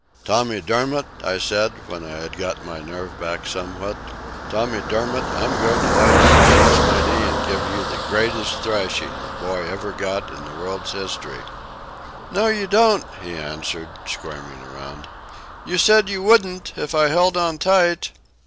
"Tommy Dermott," I said, when I had got my nerves back somewhat. "Tommy Dermott, I'm going to lay you across my knee and give you the greatest thrashing a boy ever got in the world's history." "No, you don't," he answered, squirming around. "You said you wouldn't if I held on tight."